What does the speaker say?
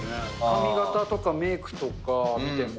髪がたとかメークとか見ても。